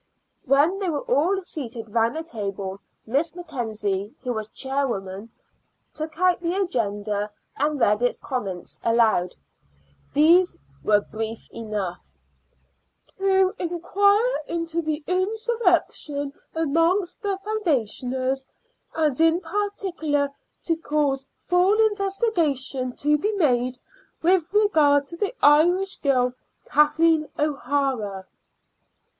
When they were all seated round the table Miss Mackenzie, who was chairwoman, took out the agenda and read its contents aloud. These were brief enough: "To inquire into the insurrection amongst the foundationers, and in particular to cause full investigation to be made with regard to the Irish girl, Kathleen O'Hara."